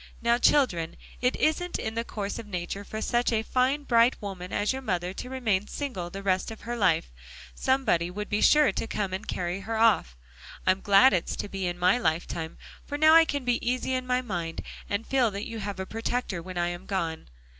"Now, children, it isn't in the course of nature for such a fine bright woman as your mother to remain single the rest of her life; somebody would be sure to come and carry her off. I'm glad it's to be in my lifetime, for now I can be easy in my mind, and feel that you have a protector when I am gone.